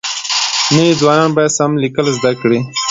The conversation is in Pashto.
نوي ځوانان بايد سم ليکل زده کړي.